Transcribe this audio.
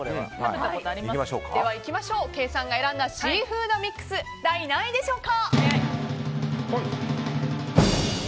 ケイさんが選んだシーフードミックス第何位でしょうか。